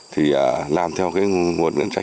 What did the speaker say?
thì làm theo cái nguồn ngân sách này